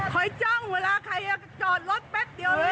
คอยเจ้าคนเวลาใครจะจอดรถแป๊บเดี๋ยวละ